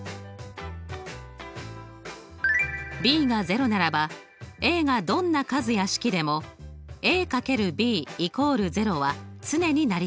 Ｂが０ならばＡがどんな数や式でもＡ×Ｂ＝０は常に成り立ちます。